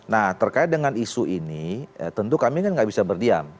nah terkait dengan isu ini tentu kami kan nggak bisa berdiam